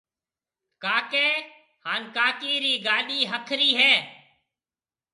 ڪاڪي هانَ ڪاڪِي رِي گاڏِي هَکرِي هيَ۔